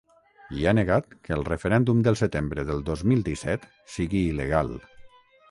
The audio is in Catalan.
I ha negat que el referèndum del setembre del dos mil disset sigui il·legal.